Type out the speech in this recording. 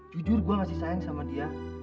jujur gue ngasih sayang sama dia